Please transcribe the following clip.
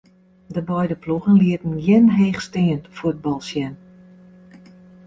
De beide ploegen lieten gjin heechsteand fuotbal sjen.